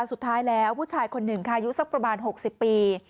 สุดท้ายแล้วผู้ชายคนหนึ่งค่ะอายุสักประมาณ๖๐ปี